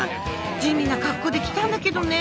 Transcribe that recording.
地味な格好で来たんだけどね。